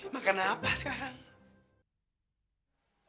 makan apa sekarang